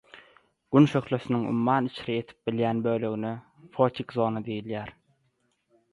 Gün şöhlesiniň umman içre ýetip bilýän bölegine fotik zona diýilýär.